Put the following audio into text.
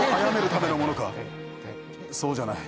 そうじゃない。